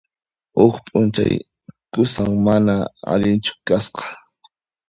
Huk p'unchay qusan mana allinchu kasqa.